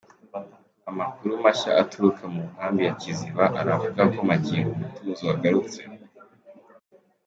Amakuru mashya aturuka mu nkambi ya Kiziba aravuga ko magingo umutuzo wa garutse.